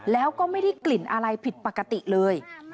แล้วก็ไม่ได้กลิ่นอะไรผิดปกติเลย